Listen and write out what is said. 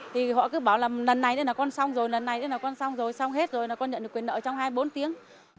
thì họ cứ bảo là lần này thế là con xong rồi lần này thế là con xong rồi xong hết rồi là con nhận được quyền nợ trong hai mươi bốn tiếng